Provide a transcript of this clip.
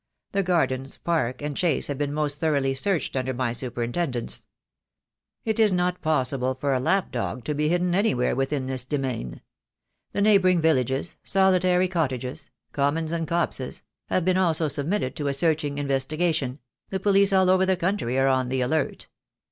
The gardens, park, and chase have been most thoroughly searched under my superintendence. It is not possible for a lap dog to be hidden anywhere within this demesne. The neighbouring villages — solitary cottages^ — commons and copses — have been also submitted to a searching in vestigation— the police all over the country are on the alert.